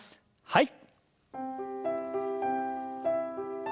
はい。